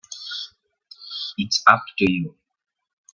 It's up to you.